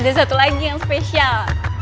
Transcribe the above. ada satu lagi yang spesial